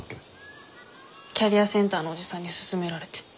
キャリアセンターのおじさんに勧められて。